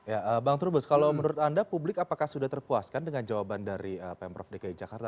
ya bang trubus kalau menurut anda publik apakah sudah terpuaskan dengan jawaban dari pemprov dki jakarta